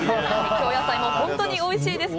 京野菜も本当においしいです。